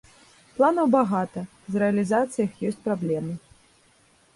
Планаў багата, з рэалізацыяй іх ёсць праблемы.